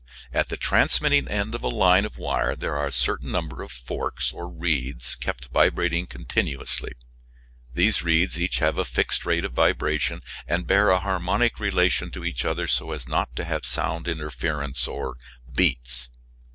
At the transmitting end of a line of wire there are a certain number of forks or reeds kept vibrating continuously. These reeds each have a fixed rate of vibration and bear a harmonic relation to each other so as not to have sound interference or "beats."